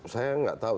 saya enggak tahu